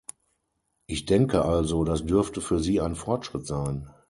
Ich denke also, das dürfte für Sie ein Fortschritt sein.